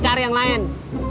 cari yang lain